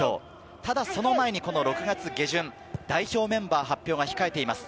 ただ、その前に６月下旬、代表メンバー発表が控えています。